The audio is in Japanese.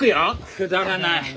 くだらない。